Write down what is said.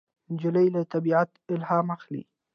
نجلۍ له طبیعته الهام اخلي.